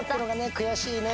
悔しいね。